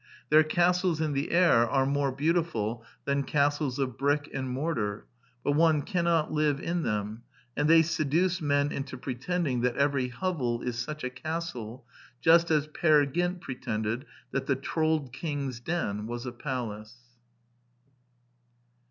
Their castles in the air are more beautiful than castles of brick and mortar; but one cannot live in them; and they seduce men into pretending that every hovel is such a castle, just as Peer Gynt pretended that the Trold king's den was a palace.